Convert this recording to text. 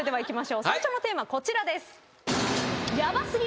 最初のテーマはこちらです。